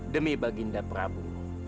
demi baginda prabu